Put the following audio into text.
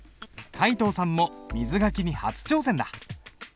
皆藤さんも水書きに初挑戦だ。